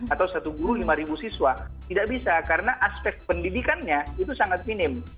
atau satu guru lima siswa tidak bisa karena aspek pendidikannya itu sangat minim